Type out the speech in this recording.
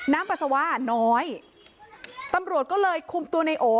ปัสสาวะน้อยตำรวจก็เลยคุมตัวในโอ